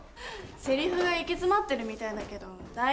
セリフが行き詰まってるみたいだけど大丈夫？